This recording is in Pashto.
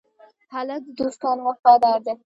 هلک د دوستانو وفادار دی.